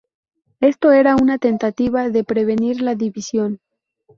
Esto era una tentativa de prevenir la división.